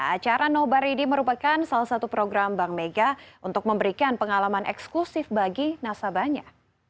acara nobar ini merupakan salah satu program bank mega untuk memberikan pengalaman eksklusif bagi nasabahnya